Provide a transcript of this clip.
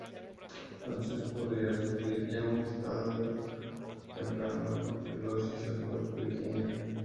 Frances podía sufrir ya un estadio temprano de tuberculosis, al igual que Virginia.